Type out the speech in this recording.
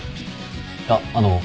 いやあの。